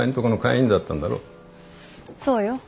そうよ。